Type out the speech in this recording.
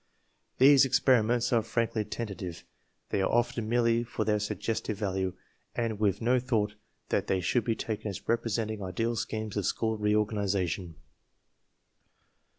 These experiments are frankly tentative. They are offered merely for their suggestive value and with no thought that they should be taken as representing ideal schemes of school reorganization.